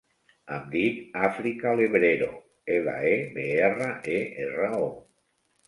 Em dic Àfrica Lebrero: ela, e, be, erra, e, erra, o.